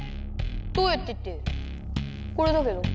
「どうやって」ってこれだけど。